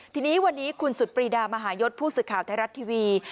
ทีนี้วันนี้คุณสุดปรีดามหายศผู้สื่อข่าวไทยรัฐทีวี